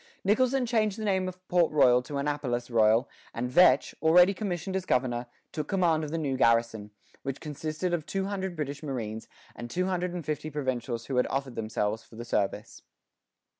Nicholson changed the name of Port Royal to Annapolis Royal; and Vetch, already commissioned as governor, took command of the new garrison, which consisted of two hundred British marines, and two hundred and fifty provincials who had offered themselves for the service.